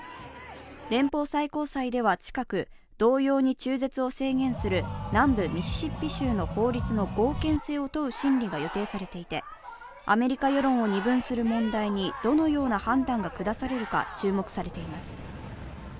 連邦最高裁では近く、同様に中絶を制限する南部ミシシッピ州の法律の合憲性を問う審理が予定されていて、アメリカ世論を二分する問題にどのような判断が下されるか注目されています。